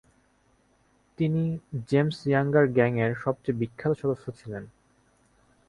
তিনি James Younger gang এর সবচেয়ে বিখ্যাত সদস্য ছিলেন।